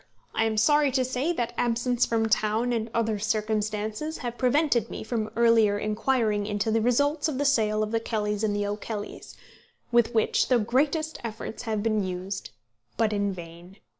I am sorry to say that absence from town and other circumstances have prevented me from earlier inquiring into the results of the sale of The Kellys and the O'Kellys, with which the greatest efforts have been used, but in vain.